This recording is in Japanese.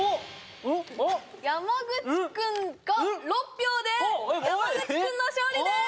おっ山口君が６票で山口君の勝利です！